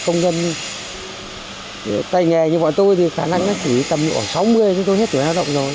công nhân tay nghề như bọn tôi thì khả năng nó chỉ tầm ở sáu mươi chúng tôi hết tuổi lao động rồi